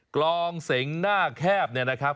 กล้องเศสหน้าแคบครับ